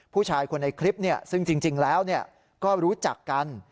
ผู้ชายคนในคลิปซึ่งจริงแล้วก็รู้จักกัน